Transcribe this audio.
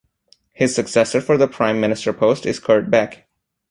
His successor for the prime minister post is Kurt Beck.